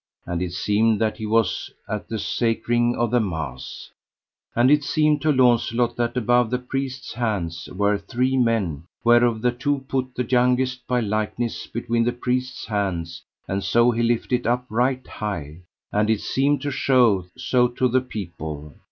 And it seemed that he was at the sacring of the mass. And it seemed to Launcelot that above the priest's hands were three men, whereof the two put the youngest by likeness between the priest's hands; and so he lift it up right high, and it seemed to show so to the people.